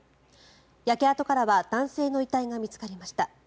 焼け跡からは男性の遺体が見つかりました。